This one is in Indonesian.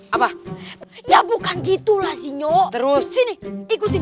apa ya bukan gitu lah sinyo terus sini ikutin